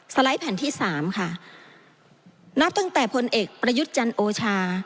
ไลด์แผ่นที่สามค่ะนับตั้งแต่พลเอกประยุทธ์จันทร์โอชา